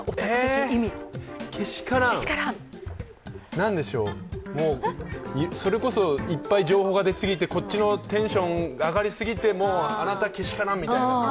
何でしょう、それこそ、いっぱい情報が出すぎてこっちのテンション上がりすぎてもうあなたけしからんみたいな。